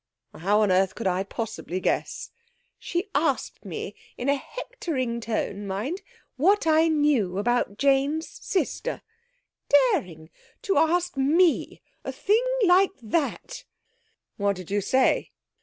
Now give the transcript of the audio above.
'How on earth could I possibly guess?' 'She asked me, in a hectoring tone, mind, what I knew about Jane's sister! Daring to ask me a thing like that!' 'What did you say?'